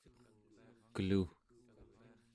kelu